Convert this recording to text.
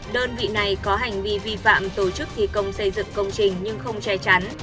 đơn vị này có hành vi vi phạm tổ chức thi công xây dựng công trình